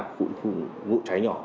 khu ngũ cháy nhỏ